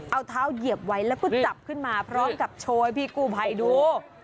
เอาเท้าเหยียบไว้แล้วก็จับขึ้นมาพร้อมกับโชว์ให้พี่กู้ภัยดู